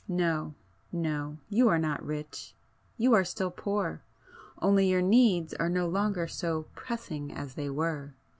No, no,—you are not rich,—you are still poor,—only your needs are no longer so pressing as they were.